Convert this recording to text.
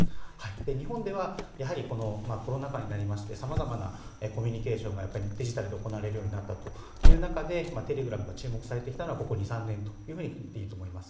日本では、コロナ禍になりましてさまざまなコミュニケーションがデジタルで行われるようになったという中でテレグラムが注目されてきたのはここ２３年といっていいと思います。